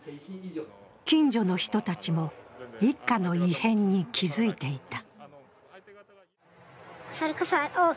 近所の人たちも一家の異変に気付いていた。